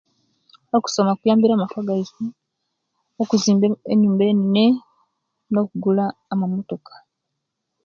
Okusoma kuyambire amaka gaisu okuzimba enyumba enene no'kugula amamotoka